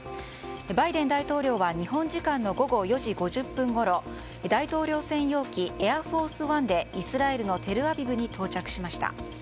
バイデン大統領は日本時間の午後４時５０分ごろ大統領専用機「エアフォースワン」でイスラエルのテルアビブに到着しました。